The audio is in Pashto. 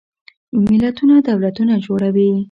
ملتونه دولتونه جوړوي.